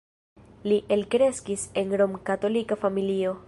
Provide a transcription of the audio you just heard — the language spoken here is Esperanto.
Li elkreskis en rom-katolika familio.